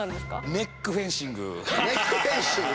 ネックフェンシング首で。